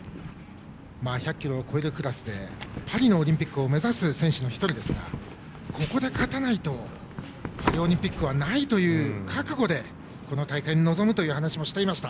１００ｋｇを超えるクラスでパリのオリンピックを目指す選手の１人ですがここで勝たないとパリオリンピックはないという覚悟でこの大会に臨むと話していました。